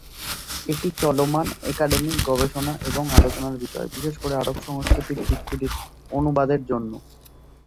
এটি চলমান একাডেমিক গবেষণা এবং আলোচনার বিষয়, বিশেষ করে আরব সংস্কৃতির দিকগুলির 'অনুবাদ' এর জন্য।